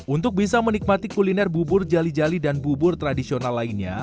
untuk bisa menikmati kuliner bubur jali jali dan bubur tradisional lainnya